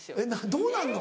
どうなんの？